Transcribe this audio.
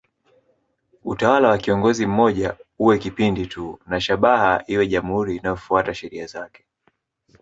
Utawala wa kiongozi mmoja uwe kipindi tu na shabaha iwe jamhuri inayofuata sheria zake.